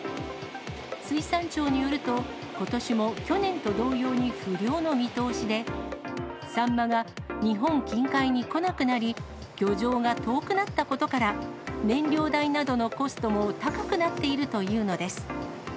水産庁によると、ことしも去年と同様に不漁の見通しで、サンマが日本近海に来なくなり、漁場が遠くなったことから、燃料代などのコストも高くなっているというのです。